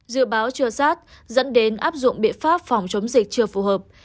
dự báo chưa sát dẫn đến áp dụng biện pháp phòng chống dịch chưa phù hợp